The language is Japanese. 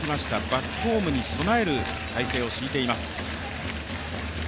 バックホームに備える体制を敷いています。